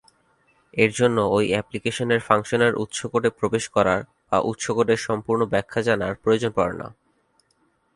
এর জন্য ঐ অ্যাপ্লিকেশনের ফাংশনের উৎস কোডে প্রবেশ করার বা উৎস কোডের পূর্ণ ব্যাখ্যা জানার প্রয়োজন পড়ে না।